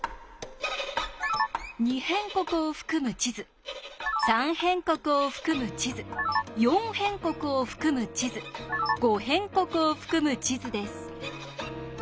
「二辺国」を含む地図「三辺国」を含む地図「四辺国」を含む地図「五辺国」を含む地図です。